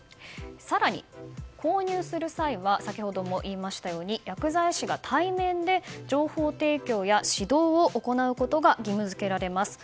更に購入する際は先ほども言いましたように薬剤師が対面で情報提供や指導を行うことが義務付けられます。